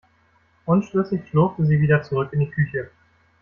Unschlüssig schlurfte sie wieder zurück in die Küche.